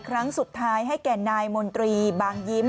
ครั้งสุดท้ายให้แก่นายมนตรีบางยิ้ม